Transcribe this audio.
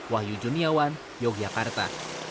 wahyu juniawan yogyakarta